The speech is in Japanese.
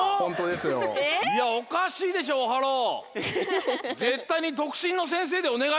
おかしいでしょオハロー！